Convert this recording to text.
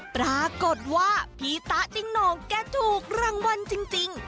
ปรากฏว่าพี่ตะจิงโหงแกถูกรางวัลจริง